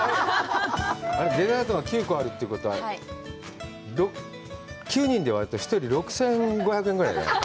デザートが９個あるということは９人で割ると１人６５００円ぐらい。